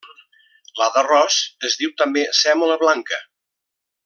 La d'arròs es diu també sèmola blanca.